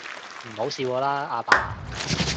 唔好笑我啦，阿爸